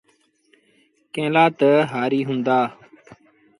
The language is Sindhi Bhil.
ڪݩهݩ لآ تا هآريٚ هُݩدآ۔